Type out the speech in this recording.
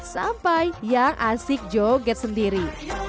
sampai yang asik joget sendiri